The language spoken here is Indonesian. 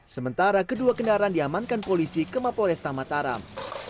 sementara kedua kendaraan diamankan polisi ke mapo restamataram